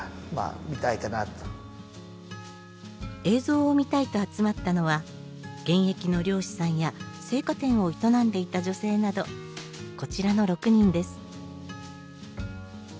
映像を見たいと集まったのは現役の漁師さんや製菓店を営んでいた女性などこちらの６人です。